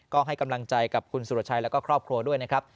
ก็ให้กำลังใจกับคุณสุรชัยแล้วก็ครอบครัวด้วยนะครับ